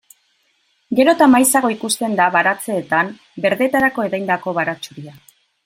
Gero eta maizago ikusten da baratzeetan berdetarako ereindako baratxuria.